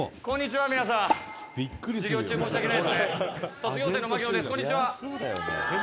「はい！」